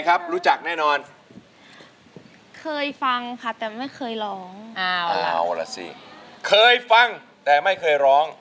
อันตราย